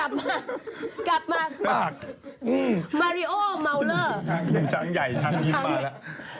หนุ่มช้างใหญ่หนุ่มช้างยิ้มมาแล้ว